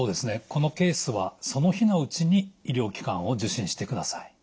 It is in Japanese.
このケースはその日のうちに医療機関を受診してください。